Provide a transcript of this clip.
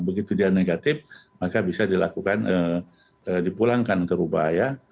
begitu dia negatif maka bisa dilakukan dipulangkan ke rumah ya